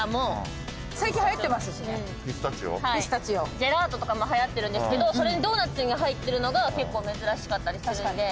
ジェラートとかもはやってるんですけどドーナツに入ってるのが結構珍しかったりするんで。